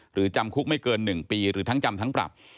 จำคุกไม่เกิน๑ปีหรือทั้งจำทั้งปรับ